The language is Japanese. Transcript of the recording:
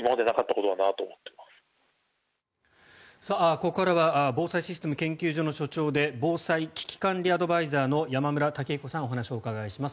ここからは防災システム研究所の所長で防災・危機管理アドバイザーの山村武彦さんにお話をお伺いします。